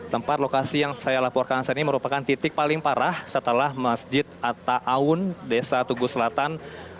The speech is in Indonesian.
tempat lokasi yang saya laporkan saat ini merupakan titik paling parah setelah masjid atta awun desa tugu selatan